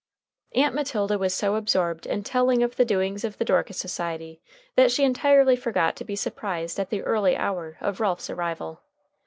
Aunt Matilda was so absorbed in telling of the doings of the Dorcas Society that she entirely forgot to be surprised at the early hour of Ralph's arrival.